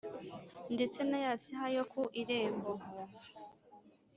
ndetse na ya siha yo ku irembo